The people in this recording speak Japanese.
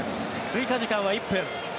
追加時間は１分。